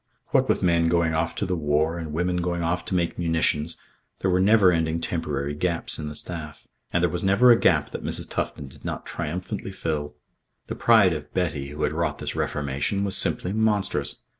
What with men going off to the war and women going off to make munitions, there were never ending temporary gaps in the staff. And there was never a gap that Mrs. Tufton did not triumphantly fill. The pride of Betty, who had wrought this reformation, was simply monstrous.